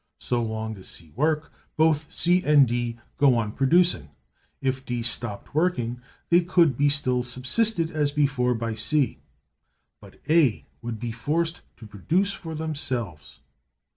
So long as C work, both C and D can go on producing. If D stopped working, they could be still subsisted as before by C; but A would be forced to produce for themselves.